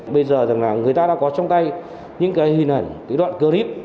bây giờ rằng là người ta đã có trong tay những cái hình ảnh cái đoạn clip